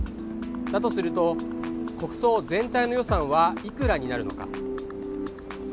だとすると、国葬全体の予算はいくらになるのか。